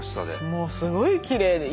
もうすごいきれいで。